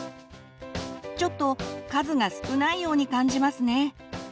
ちょっと数が少ないように感じますね。